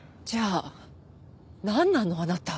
じゃあなんなの？